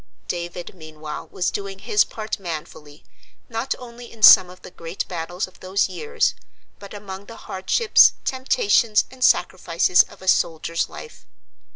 David meanwhile was doing his part manfully, not only in some of the great battles of those years, but among the hardships, temptations, and sacrifices of a soldiers' life.